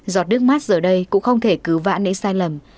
giọt đứt mắt giờ đây cũng không thể cứu vãn nếu sai lầm